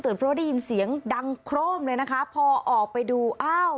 เพราะได้ยินเสียงดังโครมเลยนะคะพอออกไปดูอ้าว